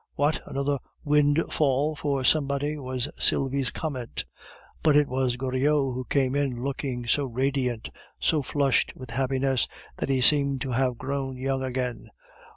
"What! another windfall for somebody!" was Sylvie's comment. But it was Goriot who came in, looking so radiant, so flushed with happiness, that he seemed to have grown young again.